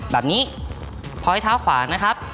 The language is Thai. แบบนี้พ้อยเท้าขวานะครับ